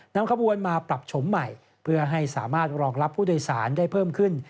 นำขบวนมาปรับชมใหม่เพื่อให้สามารถรองรับผู้โดยสารได้เพิ่มขึ้น